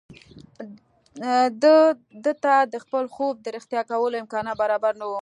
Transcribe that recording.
ده ته د خپل خوب د رښتيا کولو امکانات برابر نه وو.